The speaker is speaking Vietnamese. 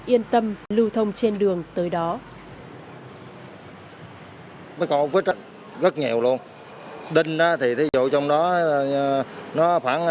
yên tâm lưu thông trên đường tới đó